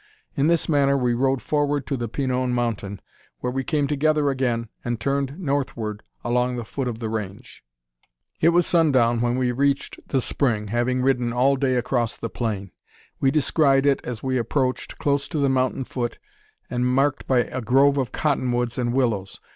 In this manner we rode forward to the Pinon mountain, where we came together again, and turned northward along the foot of the range. It was sundown when we reached the spring, having ridden all day across the plain. We descried it, as we approached, close in to the mountain foot, and marked by a grove of cotton woods and willows.